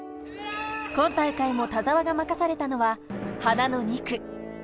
今大会も田澤が任されたのは花の２区。